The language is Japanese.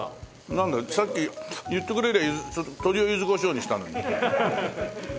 なんださっき言ってくれりゃあ鶏をゆず胡椒にしたのに。